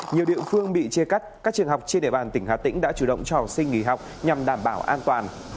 nhiều địa phương bị chê cắt các trường học trên địa bàn tỉnh hà tĩnh đã chủ động trò sinh nghỉ học nhằm đảm bảo an toàn